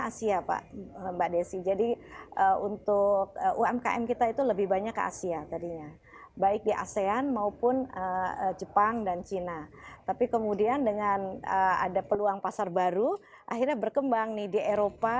apa modelnya bni yang the usp